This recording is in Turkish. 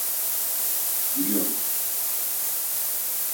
Giriyoruz.